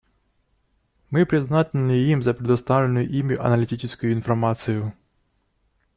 Мы признательны им за представленную ими аналитическую информацию.